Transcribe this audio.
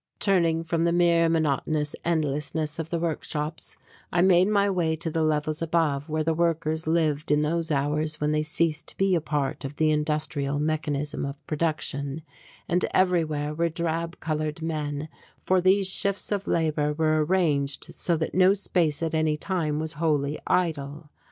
Turning from the mere monotonous endlessness of the workshops I made my way to the levels above where the workers lived in those hours when they ceased to be a part of the industrial mechanism of production; and everywhere were drab coloured men for these shifts of labour were arranged so that no space at any time was wholly idle.